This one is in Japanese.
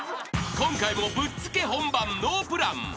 ［今回もぶっつけ本番ノープラン］